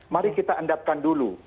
mari kita endapkan dulu